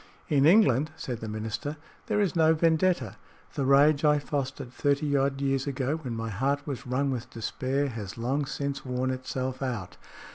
"In England," said the minister, "there is no vendetta. The rage I fostered thirty odd years ago, when my heart was wrung with despair, has long since worn itself out.